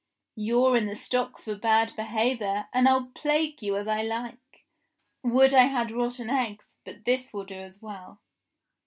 You're in the stocks for bad behaviour, and I'll plague you as I like. Would I had rotten eggs ; but this will do as well."